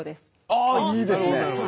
ああいいですね！